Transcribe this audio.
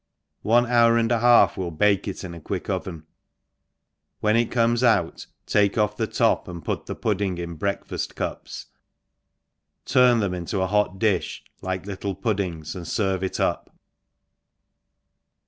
One hour and a half will bake it in a quick oven i when it comes out take off the top, and put the pudding in breakfaft cups, turn them into a hot diih like little puddings, and ferve it up.